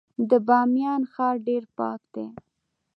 د بامیان ښار ډیر پاک دی